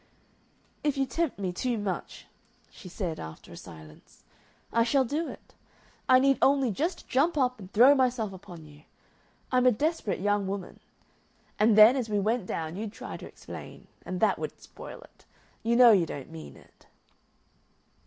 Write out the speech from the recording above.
"If you tempt me too much," she said, after a silence, "I shall do it. I need only just jump up and throw myself upon you. I'm a desperate young woman. And then as we went down you'd try to explain. And that would spoil it.... You know you don't mean it."